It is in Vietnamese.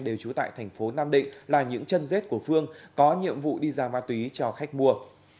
đều trú tại tp nam định là những chân rết của phương có nhiệm vụ đi ra ma túy cho khách mua